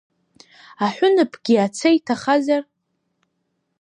Аҳәынаԥгьы аца иҭахазар?